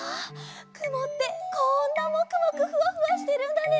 くもってこんなもくもくふわふわしてるんだね。